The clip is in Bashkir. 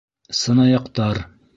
Сынаяҡтар.